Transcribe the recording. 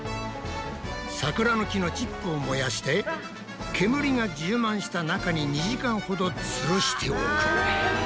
桜の木のチップを燃やして煙が充満した中に２時間ほどつるしておく。